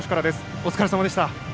お疲れさまでした。